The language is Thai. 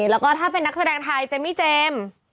แล้วก็ถ้าเป็นนักแสดงไทยเจมมี่เจมส์